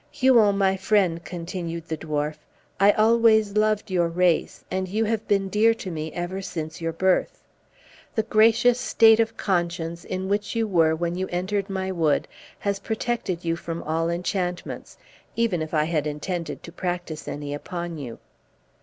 "Huon, my friend," continued the dwarf, "I always loved your race, and you have been dear to me ever since your birth. The gracious state of conscience in which you were when you entered my wood has protected you from all enchantments, even if I had intended to practise any upon you.